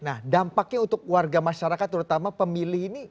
nah dampaknya untuk warga masyarakat terutama pemilih ini